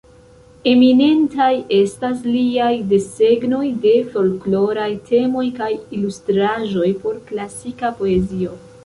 Eminentaj estas liaj desegnoj de folkloraj temoj kaj ilustraĵoj por klasika poezio.